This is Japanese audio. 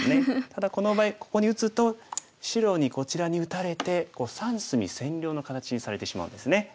ただこの場合ここに打つと白にこちらに打たれて三隅占領の形にされてしまうんですね。